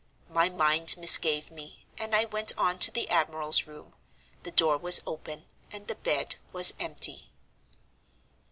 My mind misgave me, and I went on to the admiral's room. The door was open, and the bed was empty.